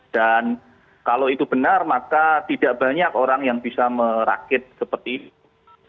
dan kalau itu benar maka tidak banyak orang yang bisa merakit seperti ini